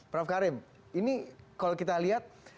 prof karim ini kalau kita lihat